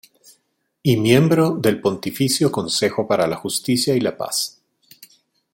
Y miembro del Pontificio Consejo para la Justicia y la Paz.